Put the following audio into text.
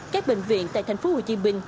các bệnh viện tại thành phố hồ chí minh